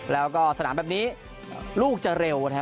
แล้วก็สนามแบบนี้ลูกจะเร็ว